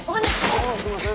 ああすいません。